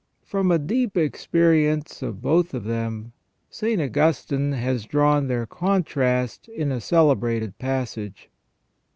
From a deep experience of both of them, St. Augustine has drawn their contrast in a celebrated passage.